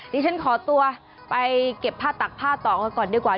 ดิฉันขอตัวไปเก็บผ้าตักผ้าต่อกันก่อนดีกว่า